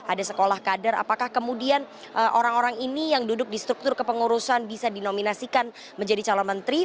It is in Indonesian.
ada sekolah kader apakah kemudian orang orang ini yang duduk di struktur kepengurusan bisa dinominasikan menjadi calon menteri